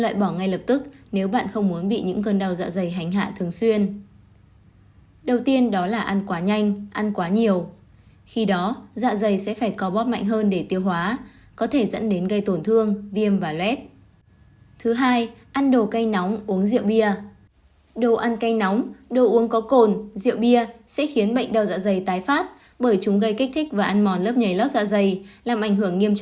các bạn hãy đăng ký kênh để ủng hộ kênh của chúng mình nhé